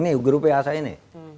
ini grup wa saya ini